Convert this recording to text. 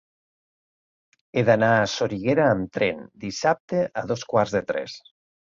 He d'anar a Soriguera amb tren dissabte a dos quarts de tres.